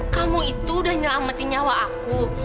kamu itu udah nyelamatin nyawa aku